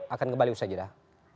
akan kembali usai jadah